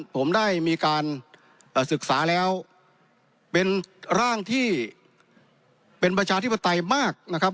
ผมได้มีการศึกษาแล้วเป็นร่างที่เป็นประชาธิปไตยมากนะครับ